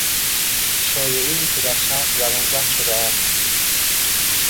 شایعهای که در شهر زبانزد شده است